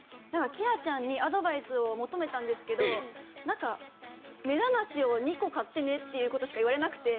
きらちゃんにアドバイスを求めたんですけど目覚ましを２個買ってねとしか言われなくて。